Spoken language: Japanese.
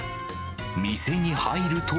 店に入ると。